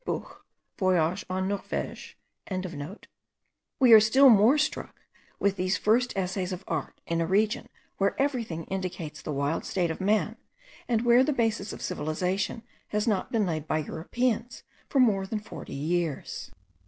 Buch, Voyage en Norwege.) we are still more struck with these first essays of art, in a region where everything indicates the wild state of man, and where the basis of civilization has not been laid by Europeans more than forty years.